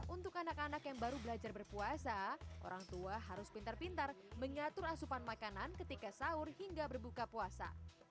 untuk anak anak yang baru belajar berpuasa orang tua harus pintar pintar mengatur asupan makanan ketika sahur hingga berbuka puasa